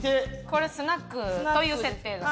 これスナックという設定ですね。